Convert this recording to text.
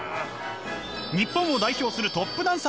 日本を代表するトップダンサー。